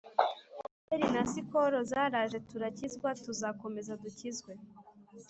byeri na sikoro zaraje turakizwa tuzakomeza dukizwe